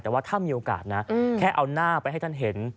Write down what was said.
แต่ว่าถ้ามีโอกาสนะแค่เอาหน้าไปให้ท่านเห็น